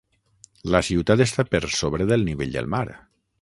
La ciutat està per sobre del nivell del mar.